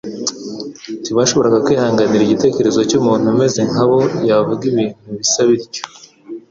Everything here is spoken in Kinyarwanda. Ntibashoboraga kwihanganira igitekerezo cy'uko umuntu umeze nka bo yavuga ibintu bisa bityo.